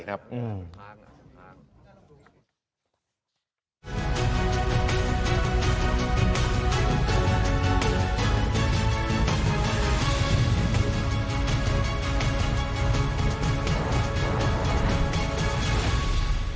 โรคไว้ทั้งใบ